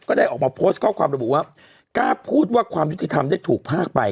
ได้ออกมาโพสต์ข้อความระบุว่ากล้าพูดว่าความยุติธรรมได้ถูกพากไป